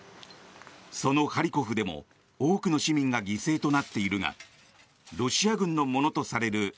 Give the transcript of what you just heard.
そのハリコフでも多くの市民が犠牲となっているがロシア軍のものとされる